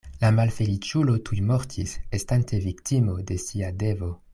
La malfeliĉulo tuj mortis, estante viktimo de sia devo.